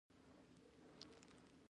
د میک اپ پر ځای اصلي ښکلا غوره ده.